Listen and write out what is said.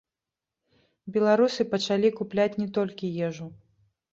Беларусы пачалі купляць не толькі ежу.